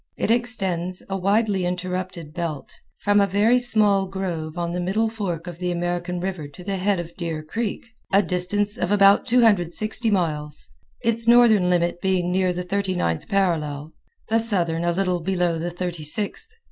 It extends, a widely interrupted belt, from a very small grove on the middle fork of the American River to the head of Deer Creek, a distance of about 260 miles, its northern limit being near the thirty ninth parallel, the southern a little below the thirty sixth.